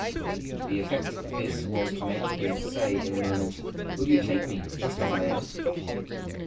The effect of this was to make him say in a moment: "Will you take me just as I am?"